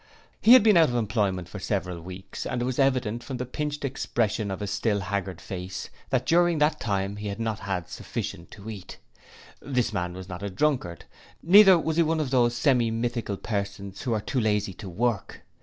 He had been out of employment for several weeks and it was evident from the pinched expression of his still haggard face that during that time he had not had sufficient to eat. This man was not a drunkard, neither was he one of those semi mythical persons who are too lazy to work.